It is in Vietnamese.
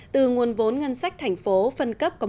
từ nguồn vốn ngân sách thành phố phân cấp